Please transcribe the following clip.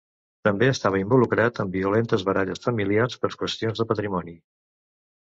També estava involucrat en violentes baralles familiars per qüestions de patrimoni.